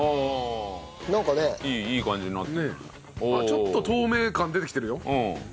ちょっと透明感出てきてるよ。